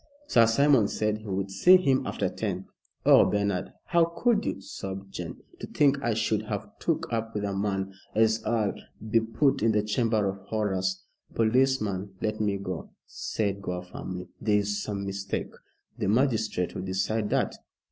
Sir Simon said he would see him after ten. Oh, Bernard, how could you!" sobbed Jane. "To think I should have took up with a man as 'ull be put in the Chamber of Horrors." "Policeman, let me go," said Gore, firmly. "There is some mistake." "The magistrate will decide that.